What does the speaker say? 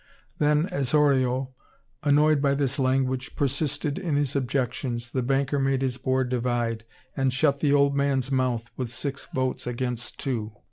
Then, as Oriol, annoyed by this language, persisted in his objections, the banker made his board divide, and shut the old man's mouth with six votes against two.